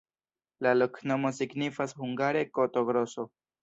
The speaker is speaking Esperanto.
La loknomo signifas hungare koto-groso.